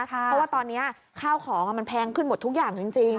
เพราะว่าตอนนี้ข้าวของมันแพงขึ้นหมดทุกอย่างจริง